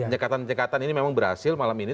jekatan jekatan ini memang berhasil malam ini